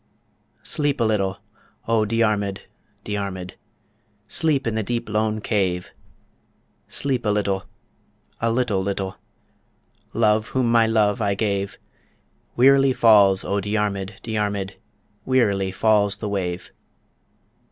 Sleep a little O Diarmid, Diarmid, Sleep in the deep lone cave; Sleep a little a little little, Love whom my love I gave Wearily falls O Diarmid, Diarmid, Wearily falls the wave.